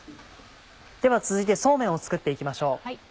では続いてそうめんを作って行きましょう。